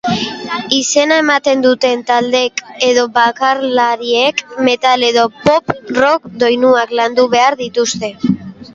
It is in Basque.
Izena ematen duten taldeek edo bakarlariek metal edo pop-rock doinuak landu behar dituzte.